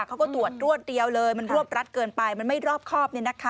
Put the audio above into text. เขาก็ตรวจรวดเดียวเลยมันรวบรัดเกินไปมันไม่รอบครอบ